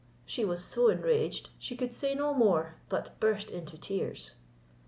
She was so enraged she could say no more, but burst into tears.